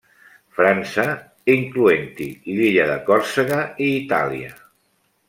França, incloent-hi l'illa de Còrsega, i Itàlia.